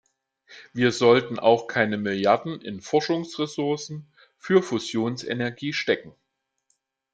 Wir sollten auch keine Milliarden in Forschungsressourcen für Fusionsenergie stecken.